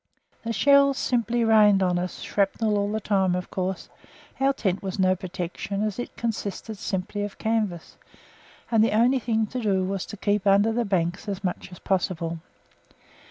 The shells simply rained on us, shrapnel all the time; of course our tent was no protection as it consisted simply of canvas, and the only thing to do was to keep under the banks as much as possible.